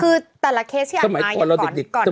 คือแต่ละเคสที่อ่านมาอย่างก่อน